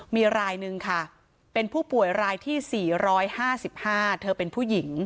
มีไลน์หนึ่งค่ะเป็นผู้ป่วยไลน์ที่สี่ร้อยห้าสิบห้าเธอเป็นผู้หญิง